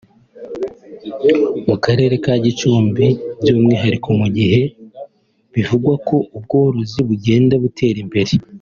mu Karere ka Gicumbi by’umwihariko mu gihe bivugwa ko ubworozi bugenda butera imbere